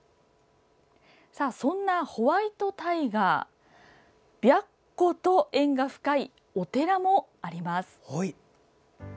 そんなホワイトタイガーと縁が深いお寺もあります。